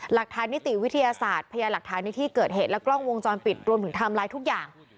หลักฐานนิติวิทยาศาสตร์พยานหลักฐานในที่เกิดเหตุและกล้องวงจรปิดรวมถึงไทม์ไลน์ทุกอย่าง